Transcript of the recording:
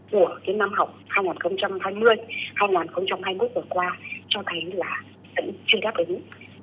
của năm học hai nghìn hai mươi hai nghìn hai mươi một vừa qua cho thấy là vẫn chưa đáp ứng